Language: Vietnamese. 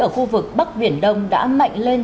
ở khu vực bắc viển đông đã mạnh lên